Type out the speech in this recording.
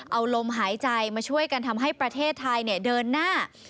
เอาลมหายใจมาช่วยกันทำให้ประเทศไทยเดินหน้า